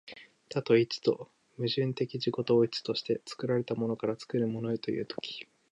多と一との矛盾的自己同一として、作られたものから作るものへという時、